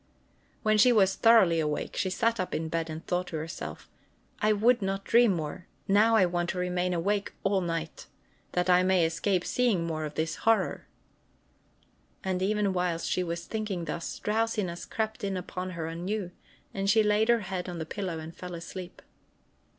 When she was thoroughly awake, she sat up in bed and thought to herself: "I would not dream more. Now I want to remain awake all night, that I may escape seeing more of this horror." And even whilst she was thinking thus, drowsiness crept in upon her anew, and she laid her head on the pillow and fell asleep.